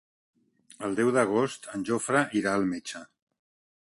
El deu d'agost en Jofre irà al metge.